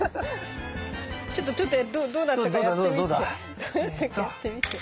ちょっとちょっとどうだったかやってみて。